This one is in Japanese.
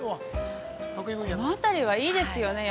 この辺りはいいですよね。